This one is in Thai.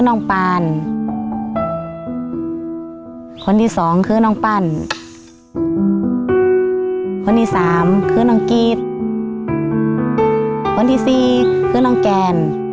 ลองกันถามอีกหลายเด้อ